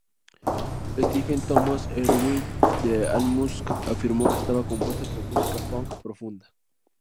Stephen Thomas Erlewine, de Allmusic, afirmó que estaba compuesta por música "funk" profunda.